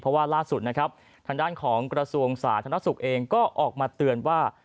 เพราะว่าร่าสุดทางด้านของกระทรวงศาสถนสุกเองก็ออกมาเตือนว่า